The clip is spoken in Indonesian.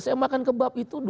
saya makan kebab itu dua belas